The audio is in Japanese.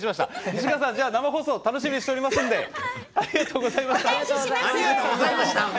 西川さん、生放送楽しみにしていますのでありがとうございました。